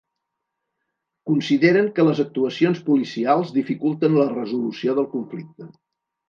Consideren que les actuacions policials dificulten la resolució del conflicte.